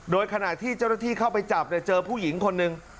โดยขณะที่เจ้าหน้าที่เข้าไปจับเจอผู้หญิงคนหนึ่ง